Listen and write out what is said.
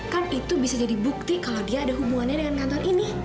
kan itu bisa jadi bukti kalau dia ada hubungannya dengan kantor ini